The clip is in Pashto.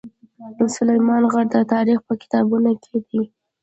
سلیمان غر د تاریخ په کتابونو کې دی.